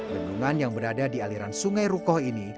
bendungan yang berada di aliran sungai rukoh ini